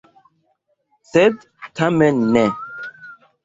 Sed tamen ne!